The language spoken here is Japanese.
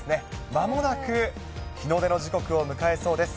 まもなく日の出の時刻を迎えそうです。